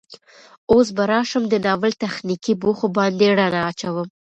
اوس به راشم د ناول تخنيکي بوخو باندې ړنا اچوم